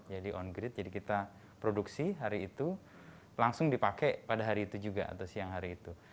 jadi on grid jadi kita produksi hari itu langsung dipakai pada hari itu juga atau siang hari itu